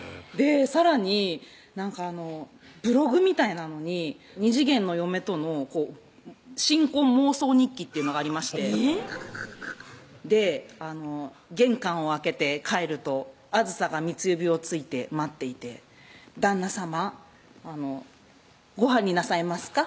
さらにブログみたいなのに２次元の嫁との「新婚妄想日記」っていうのがありましてで「玄関を開けて帰るとあずさが三つ指をついて待っていて旦那さまごはんになさいますか？